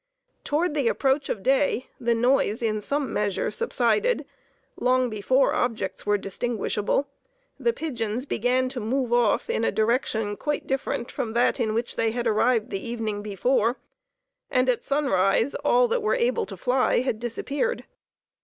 Toward the approach of day, the noise in some measure subsided, long before objects were distinguishable, the pigeons began to move off in a direction quite different from that in which they had arrived the evening before, and at sunrise all that were able to fly had disappeared.